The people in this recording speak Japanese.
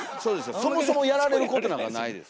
そもそもやられることなんかないです。